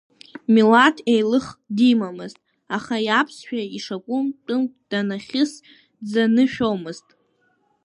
Милаҭ еилых димамызт, аха иаԥсшәа ишакәым тәымк данахьыс, дзанышәомызт.